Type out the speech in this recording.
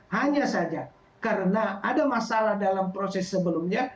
hanya saja karena ada masalah dalam proses sebelumnya